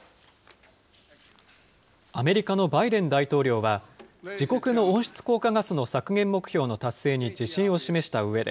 アメリカのバイデン大統領は、自国の温室効果ガスの削減目標の達成に自信を示したうえで。